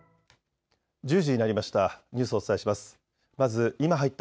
１０時になりました。